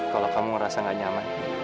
kalau kamu ngerasa gak nyaman